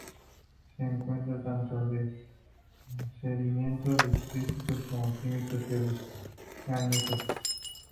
Se encuentran tanto sedimentos detríticos como químicos y orgánicos.